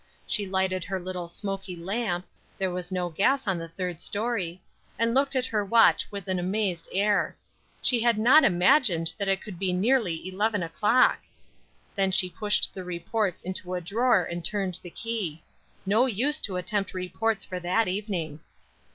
She lighted her smoky little lamp there was no gas in the third story and looked at her watch with an amazed air; she had not imagined that it could be nearly 11 o'clock! Then she pushed the reports into a drawer and turned the key; no use to attempt reports for that evening.